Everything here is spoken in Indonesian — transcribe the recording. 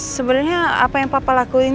sebenarnya apa yang papa lakuin